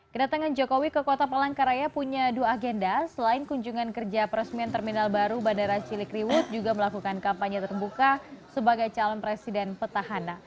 kedatangan jokowi ke kota palangkaraya punya dua agenda selain kunjungan kerja peresmian terminal baru bandara cilikriwut juga melakukan kampanye terbuka sebagai calon presiden petahana